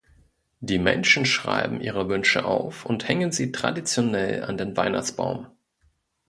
Die Menschen schreiben ihre Wünsche auf und hängen sie traditionell an den Weihnachtsbaum.